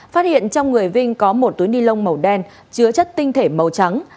phát hiện trong người vinh có một túi ni lông màu đen chứa chất tinh thể màu trắng